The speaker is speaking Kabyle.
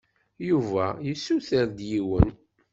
Yuba yessuter-d yiwen.